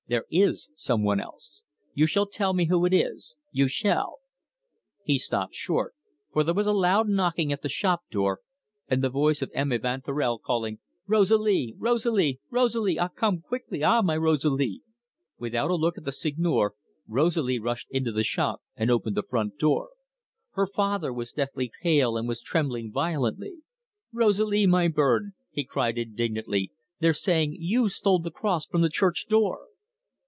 There is some one else. You shall tell me who it is. You shall " He stopped short, for there was a loud knocking at the shop door, and the voice of M. Evanturel calling: "Rosalie! Rosalie! Rosalie! Ah, come quickly ah, my Rosalie!" Without a look at the Seigneur, Rosalie rushed into the shop and opened the front door. Her father was deathly pale, and was trembling violently. "Rosalie, my bird," he cried indignantly, "they're saying you stole the cross from the church door."